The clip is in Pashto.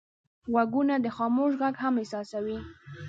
غوږونه د خاموش غږ هم احساسوي